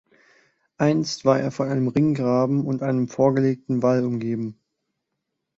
Einst war er von einem Ringgraben und einem vorgelegten Wall umgeben.